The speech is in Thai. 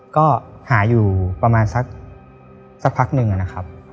ก็หาอยู่ประมาณสักพักหนึ่งนะครับ